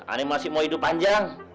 aneh masih mau hidup panjang